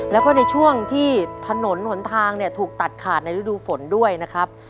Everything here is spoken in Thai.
แล้วก็ในช่วงที่ถนนหนทางเนี่ยถูกตัดขาดในฤดูฝนด้วยนะครับ